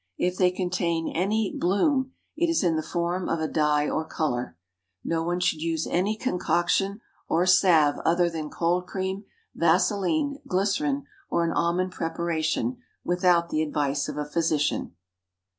If they contain any "bloom," it is in the form of a dye or color. No one should use any concoction or salve other than cold cream, vaseline, glycerine, or an almond preparation, without the advice of a physician.